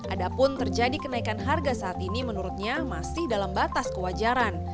adapun terjadi kenaikan harga saat ini menurutnya masih dalam batas kewajaran